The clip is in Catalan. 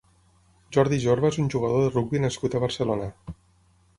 Jordi Jorba és un jugador de rugbi nascut a Barcelona.